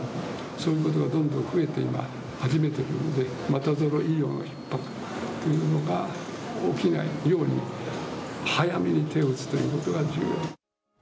そういうことがどんどん増え始めているので、また医療のひっ迫というのが起きないように、早めに手を打つということが重要。